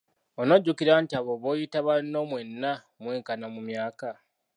Onojjukira nti abo b'oyita banno mwenna mwenkana mu myaka.